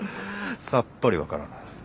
さっぱり分からない。